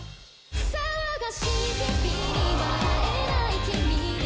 騒がしい日々に笑えない君に